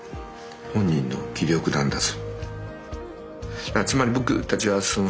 本人の気力なんだぞ！」。